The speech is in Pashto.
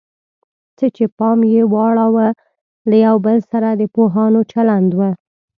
څه چې پام یې واړاوه له یو بل سره د پوهانو چلند و.